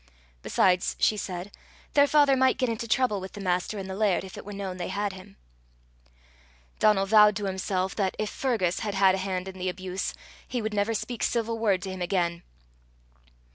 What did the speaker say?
Besides, she said, their father might get into trouble with the master and the laird, if it were known they had him. Donal vowed to himself, that, if Fergus had had a hand in the abuse, he would never speak civil word to him again.